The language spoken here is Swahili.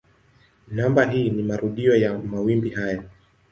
Namba hii ni marudio ya mawimbi haya.